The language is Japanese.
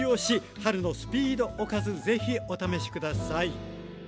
春のスピードおかず是非お試し下さい。